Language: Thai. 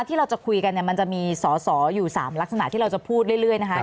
ที่เราจะคุยกันเนี่ยมันจะมีสอสออยู่๓ลักษณะที่เราจะพูดเรื่อยนะคะ